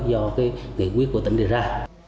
do nghị quyết của tỉnh đưa ra